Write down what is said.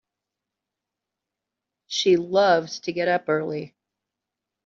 She loves to get up early.